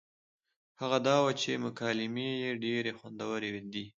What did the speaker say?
هغه دا وه چې مکالمې يې ډېرې خوندورې دي